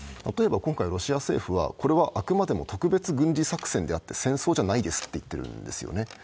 例えば今回ロシア政府は、これはあくまでも特別軍事作戦であって戦争じゃないですと言っているんです。